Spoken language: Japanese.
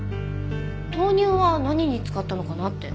豆乳は何に使ったのかなって。